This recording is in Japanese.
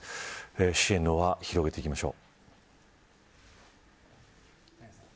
支援の輪、広げていきましょう。